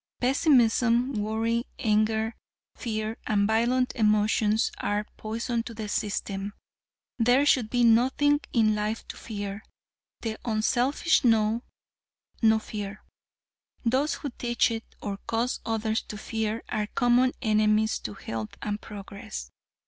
Pessimism, worry, anger, fear and violent emotions are poison to the system. There should be nothing in life to fear. The unselfish know no fear. Those who teach it, or cause others to fear are common enemies to health and progress.